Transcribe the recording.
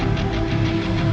aku akan menang